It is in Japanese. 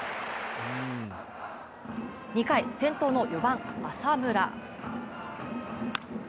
２回、先頭の４番・浅村。